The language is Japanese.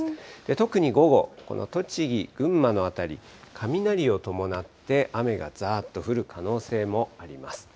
特に午後、この栃木、群馬の辺り、雷を伴って雨がざーっと降る可能性もあります。